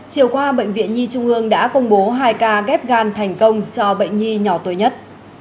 chiều qua bệnh viện nhi trung ương đã công bố hai ca ghép gan thành công cho bệnh nhi nhỏ tuổi nhất